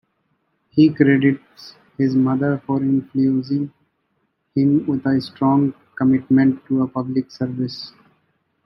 He credits his mother for infusing him with a strong commitment to public service.